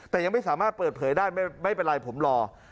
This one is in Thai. แต่ยังไม่สามารถเปิดเผยได้ไม่เป็นไรผมรอ